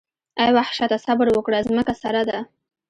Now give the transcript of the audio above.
اې وحشته صبر وکړه ځمکه سره ده.